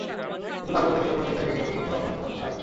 কিন্তু কাল বলতে গেলে পুরো দিনটাই ভেসে গেল সিডনির অঝোর ধারায়।